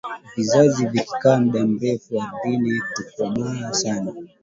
viazi vikikaa mda mrefu ardhini kukomaa sana